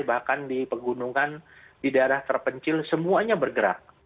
bahkan di pegunungan di daerah terpencil semuanya bergerak